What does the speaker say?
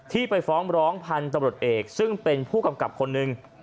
ที่ไปฟ้องร้องพันธุ์ตำรวจเอกซึ่งเป็นผู้กำกับคนหนึ่ง